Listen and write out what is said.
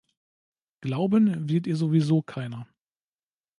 Glauben wird ihr sowieso keiner.